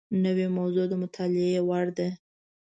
نوې موضوع د مطالعې وړ ده